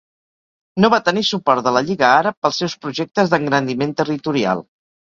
No va tenir suport de la Lliga Àrab pels seus projectes d'engrandiment territorial.